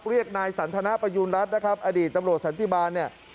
เรียกนายสันทนประยูณรัฐนะครับอดีตตำรวจสันติบาลเนี่ย